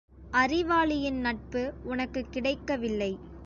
அறிவாளியின் நட்பு உனக்குக் கிடைக்கவில்லை.